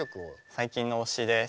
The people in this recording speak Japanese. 最近の推しです。